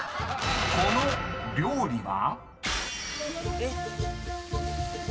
［この料理は？］